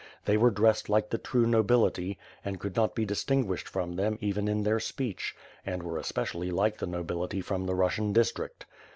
They were dressed like the true no bility, and could not be distinguished from them even in their speech; and were especially like the nobility from the Russian district.